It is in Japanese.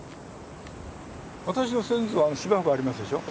私の先祖はあの芝生がありますでしょ。